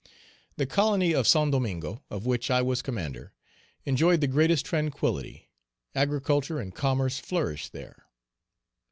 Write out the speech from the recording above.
The colony of Saint Domingo, of which I was commander, enjoyed the greatest tranquillity; agriculture and commerce flourished there.